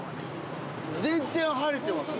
全然晴れてますよ。